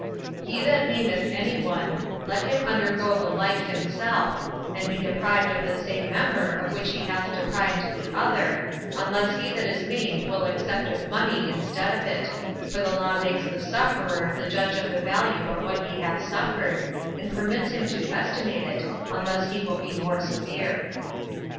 35. He that maimeth any one, let him undergo the like himself, and be deprived of the same member of which he hath deprived the other, unless he that is maimed will accept of money instead of it 30 for the law makes the sufferer the judge of the value of what he hath suffered, and permits him to estimate it, unless he will be more severe.